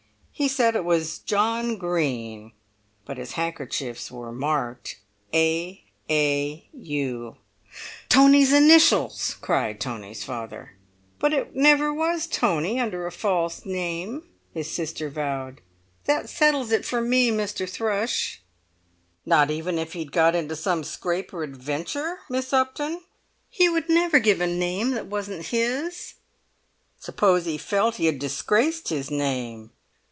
He said it was John Green—but his handkerchiefs were marked "A. A. U."'" "Tony's initials!" cried Tony's father. "But it never was Tony under a false name," his sister vowed. "That settles it for me, Mr. Thrush." "Not even if he'd got into some scrape or adventure, Miss Upton?" "He would never give a name that wasn't his." "Suppose he felt he had disgraced his name?"